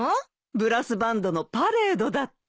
ブラスバンドのパレードだって。